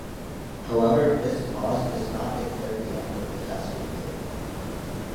However, this pause does not declare the end of the testing period.